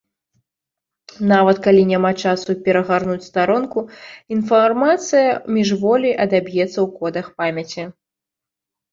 Нават калі няма часу перагарнуць старонку, інфармацыя міжволі адаб'ецца ў кодах памяці.